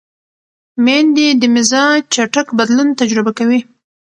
مېندې د مزاج چټک بدلون تجربه کوي.